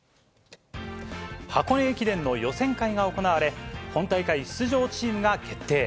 箱根駅伝の予選会が行われ、本大会出場チームが決定。